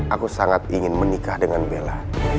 aku sangat ingin menikah dengan bella